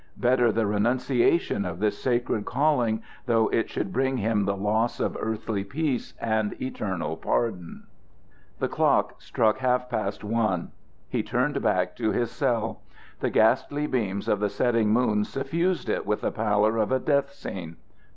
Better the renunciation of his sacred calling, though it should bring him the loss of earthly peace and eternal pardon. The clock struck half past one. He turned back to his cell. The ghastly beams of the setting moon suffused it with the pallor of a death scene.